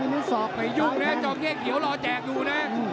หมอนะโซ้เข้กเหยียวรอแจกอยู่นะ